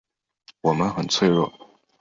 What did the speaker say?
我们很脆弱